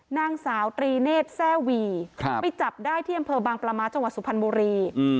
นางสาวตรีเนธแซ่วีไปจับได้ที่อำเภอบางปลาม้าจังหวัดสุพรรณบุรี